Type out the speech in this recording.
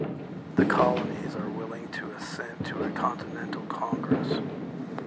The colonies are willing to assent to a Continental Congress.